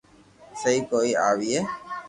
سھي ڪوئي آئئئي